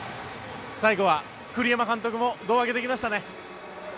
最後は栗山監督も胴上げできましたね。